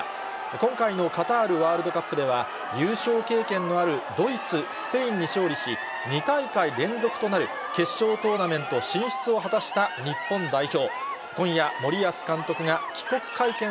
今回のカタールワールドカップでは、優勝経験のあるドイツ、スペインに勝利し、２大会連続となる決勝トーナメント進出を果たした日本代表。